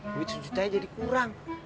duit sejuta jadi kurang